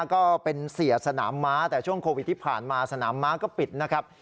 ก็เป็นเสียสนามม้าแต่ช่วงโควิดที่ผ่านมาสนามม้าก็ปิดนะครับ